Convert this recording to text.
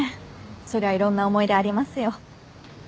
そりゃいろんな思い出ありますよ。